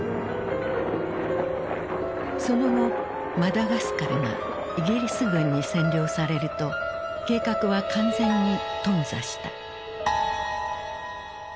その後マダガスカルがイギリス軍に占領されると計画は完全に頓挫した。